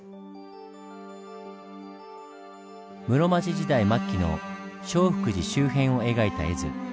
室町時代末期の聖福寺周辺を描いた絵図。